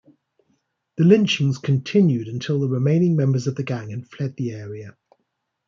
The lynchings continued until the remaining members of the gang had fled the area.